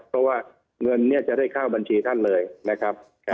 เพราะว่าเงินเนี่ยจะได้เข้าบัญชีท่านเลยนะครับ